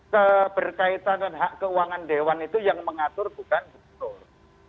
keberkaitan dengan hak keuangan dewan itu yang mengatur bukan gubernur